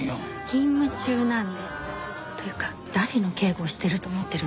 勤務中なんで。というか誰の警護をしてると思ってるんですか？